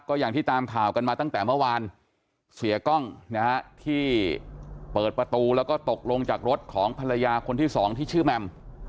ก็อย่างที่ตามข่าวกันมาตั้งแต่เมื่อวานเสียกล้องนะฮะที่เปิดประตูแล้วก็ตกลงจากรถของภรรยาคนที่สองที่ชื่อแมม